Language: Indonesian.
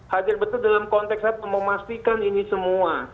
hadir betul dalam konteks apa memastikan ini semua